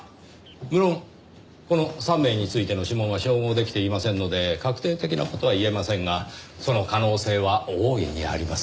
無論この３名についての指紋は照合できていませんので確定的な事は言えませんがその可能性は大いにありますねぇ。